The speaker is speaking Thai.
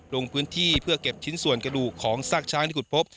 ลงพื้นที่เพื่อเก็บชิ้นส่วนกระดูกของซากช้างที่ขุดพบ